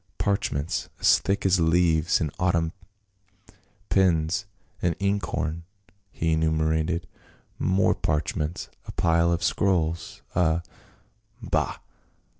" Parchments as thick as leaves in Autumn, pens, an inkhorn," he enumerated, " more parchments, a pile of scrolls, a —"" Bah